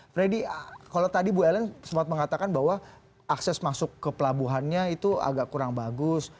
freddy kalau tadi bu ellen sempat mengatakan bahwa akses masuk ke pelabuhannya itu agak kurang bagus